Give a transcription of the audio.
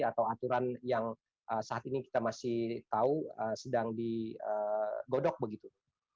atau aturan yang saat ini kita masih tahu sedang digodok begitu